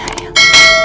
dan maha penyayang